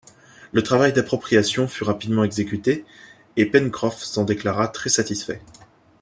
Le travail d’appropriation fut rapidement exécuté, et Pencroff s’en déclara très satisfait.